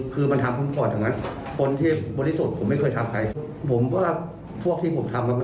คนที่ผมทำ